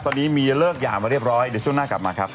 ตอนนี้มีเลิกหย่ามาเรียบร้อยเดี๋ยวช่วงหน้ากลับมาครับ